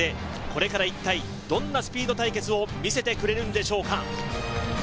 これから一体どんなスピード対決を見せてくれるんでしょうか？